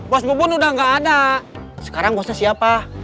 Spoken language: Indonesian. bos bepon udah gak ada sekarang bosnya siapa